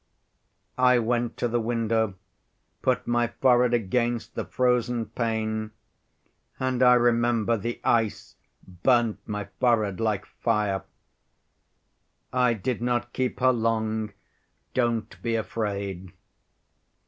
"I went to the window, put my forehead against the frozen pane, and I remember the ice burnt my forehead like fire. I did not keep her long, don't be afraid.